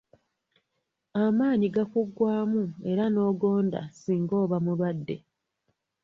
Amaanyi gakuggwaamu era n'ogonda singa oba mulwadde.